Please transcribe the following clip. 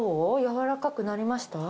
柔らかくなりました？